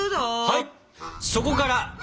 はい。